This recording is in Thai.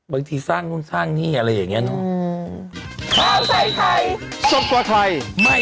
บางทีสร้างนู่นสร้างนี่อะไรอย่างนี้เนอะ